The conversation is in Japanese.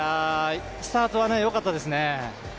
スタートはよかったですね。